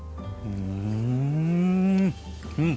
うん。